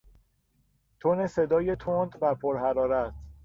تن صدای تند و پرحرارت